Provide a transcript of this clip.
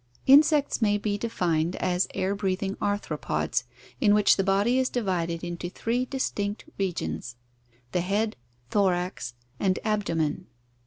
— Insects may be defined as air breathing arthropods in which the body is divided into three distinct regions, the head, thorax, and abdomen.